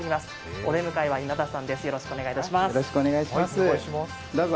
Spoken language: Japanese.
お出迎えは稲田さんです。